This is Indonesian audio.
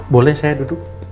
boleh saya duduk